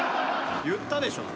言ったでしょ。